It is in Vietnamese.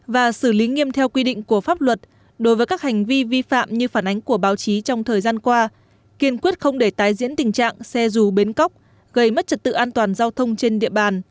và xử lý nghiêm theo quy định của pháp luật đối với các hành vi vi phạm như phản ánh của báo chí trong thời gian qua kiên quyết không để tái diễn tình trạng xe dù bến cóc gây mất trật tự an toàn giao thông trên địa bàn